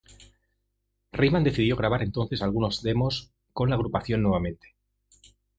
Rayman decidió grabar entonces algunos demos con la agrupación nuevamente.